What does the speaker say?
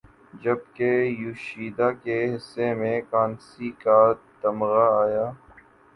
جبکہ یوشیدا کے حصے میں کانسی کا تمغہ آیا